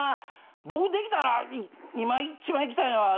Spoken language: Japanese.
僕できたら今一番行きたいのは。